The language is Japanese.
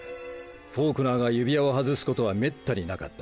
フォークナーが指輪を外すことはめったになかった。